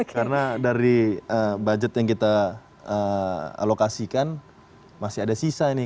karena dari budget yang kita alokasikan masih ada sisa ini